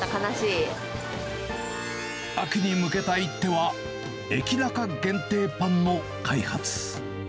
秋に向けた一手は、エキナカ限定パンの開発。